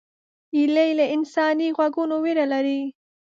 هیلۍ له انساني غږونو ویره لري